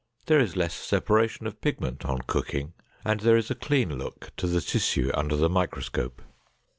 There is less separation of pigment on cooking and there is a clean look to the tissue under the microscope.